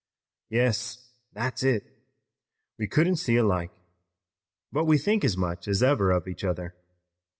"Yes, that's it. We couldn't see alike, but we think as much as ever of each other.